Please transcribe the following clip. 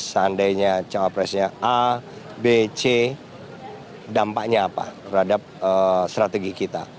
seandainya cawapresnya a b c dampaknya apa terhadap strategi kita